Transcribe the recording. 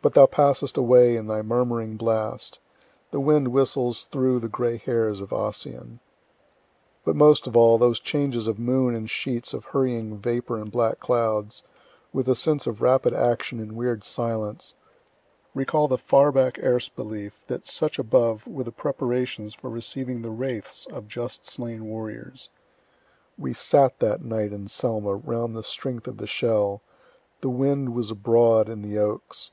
But thou passest away in thy murmuring blast; the wind whistles through the gray hairs of Ossian." But most of all, those changes of moon and sheets of hurrying vapor and black clouds, with the sense of rapid action in weird silence, recall the far back Erse belief that such above were the preparations for receiving the wraiths of just slain warriors ["We sat that night in Selma, round the strength of the shell. The wind was abroad in the oaks.